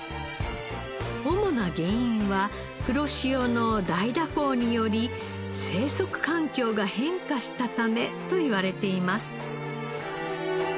主な原因は黒潮の大蛇行により生息環境が変化したためといわれています。